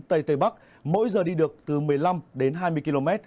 tây tây bắc mỗi giờ đi được từ một mươi năm đến hai mươi km